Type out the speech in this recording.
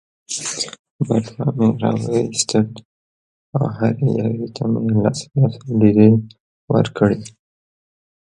بټوه مې را وایستل او هرې یوې ته مې لس لس لیرې ورکړې.